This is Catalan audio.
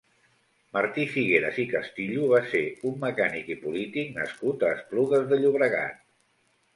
Martí Figueras i Castillo va ser un mecànic i polític nascut a Esplugues de Llobregat.